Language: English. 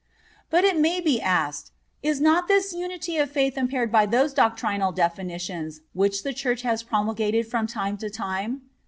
But it may be asked, is not this unity of faith impaired by those doctrinal definitions which the Church has promulgated from time to time?